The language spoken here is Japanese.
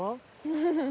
フフフフ。